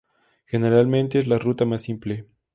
Generalmente es la ruta más simple.